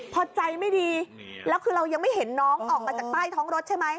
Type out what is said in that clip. พอใจไม่ดีแล้วคือเรายังไม่เห็นน้องออกมาจากใต้ท้องรถใช่ไหม